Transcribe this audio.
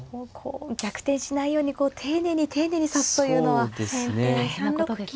逆転しないように丁寧に丁寧に指すというのは大変なことですね。